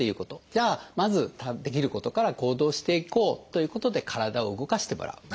じゃあまずできることから行動していこうということで体を動かしてもらう。